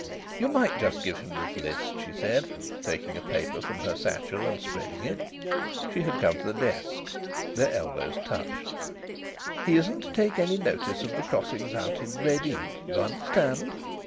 "You might just give him this list," she said, taking a paper from her satchel and spreading it. She had come to the desk; their elbows touched. "He isn't to take any notice of the crossings out in red ink you understand?